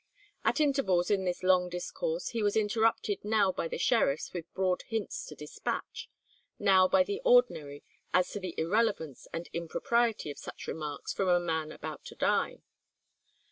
At intervals in this long discourse he was interrupted now by the sheriffs with broad hints to despatch, now by the ordinary as to the irrelevance and impropriety of such remarks from a man about to die.